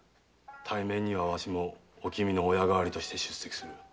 対面にはわしもおきみの親代わりとして出席する。